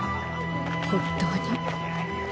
本当に。